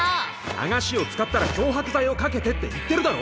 流しを使ったら漂白剤をかけてって言ってるだろ！